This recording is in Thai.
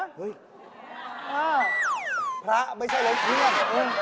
อ้าวพระไม่ใช่เหรอพี่นั่นอืม